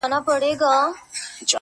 نسه نه وو نېمچه وو ستا د درد په درد.